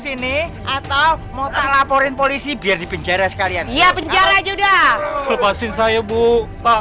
sini atau mau tak laporin polisi biar dipenjara sekalian ya penjara juga lepasin saya bu pak